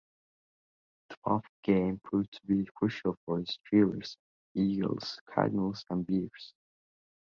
The twelfth game proved to be crucial for the Steelers, Eagles, Cardinals and Bears.